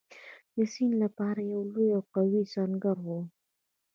د سید لپاره یو لوی او قوي سنګر وو.